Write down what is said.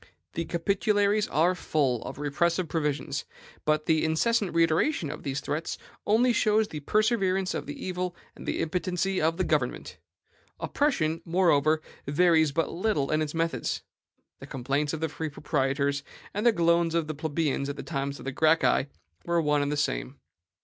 The Capitularies are full of repressive provisions; but the incessant reiteration of these threats only shows the perseverance of the evil and the impotency of the government. Oppression, moreover, varies but little in its methods. The complaints of the free proprietors, and the groans of the plebeians at the time of the Gracchi, were one and the same.